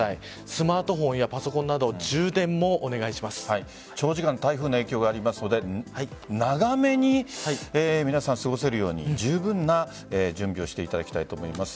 スマートフォンやパソコンなど長時間台風の影響がありますので長めに過ごせるように十分な準備をしていただきたいと思います。